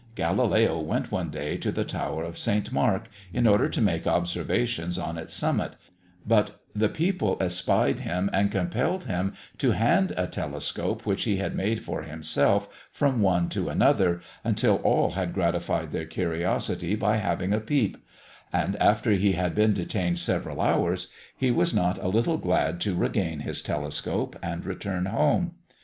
Galileo went one day to the tower of St. Mark, in order to make observations on its summit, but the people espied him, and compelled him to hand a telescope which he had made for himself, from one to another, until all had gratified their curiosity by having a peep; and, after he had been detained several hours, he was not a little glad to regain his telescope, and return home.